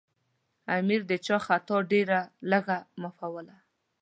امیر د چا خطا ډېره لږه معافوله.